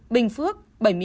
bình phước bảy mươi một